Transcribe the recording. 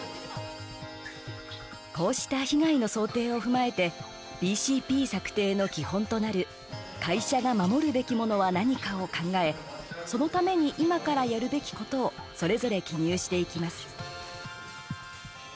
こうした被害の想定を踏まえてＢＣＰ策定の基本となる会社が守るべきものは何かを考えそのために今からやるべきことをそれぞれ記入していきます。